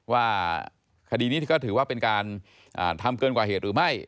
ว่าคดีนี้ก็ถือว่าเป็นการทำเกินกว่าเหตุหรือไม่